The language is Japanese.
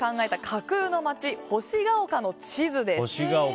架空の街・星ヶ丘の地図です。